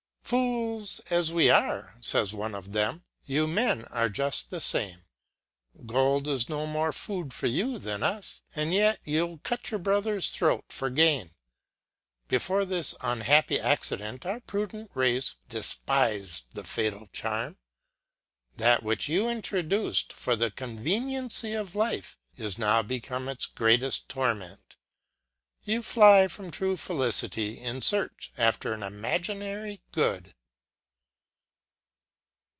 Fools as we are, fays one of them, you men are juft the fame. Gold is no more ^ food for you than us, and yet you'll cut your brother's throat for gain. Before this unhappy accident, our prudent race defpifed the fatal charm. That, which you introduced for the conveniency of life, is now become its greatefl torment. You fly from true felicity, in fearch after an imaginary good.